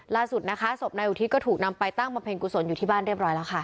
ล่าสุดนะคะศพนายอุทิศก็ถูกนำไปตั้งบำเพ็ญกุศลอยู่ที่บ้านเรียบร้อยแล้วค่ะ